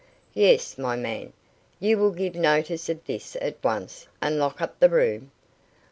"Yes, my man. You will give notice of this at once, and lock up the room."